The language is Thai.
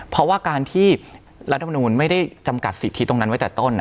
เพราะว่าการที่รัฐมนูลไม่ได้จำกัดสิทธิตรงนั้นไว้แต่ต้น